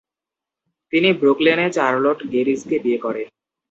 তিনি ব্রুকলেনে চার্লোট গেরিজকে বিয়ে করেন।